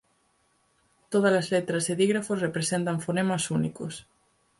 Todas as letras e dígrafos representan fonemas únicos.